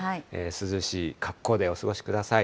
涼しい格好でお過ごしください。